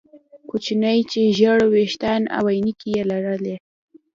کوچنی چې ژیړ ویښتان او عینکې یې لرلې